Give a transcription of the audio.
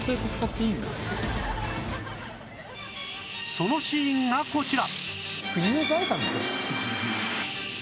そのシーンがこちら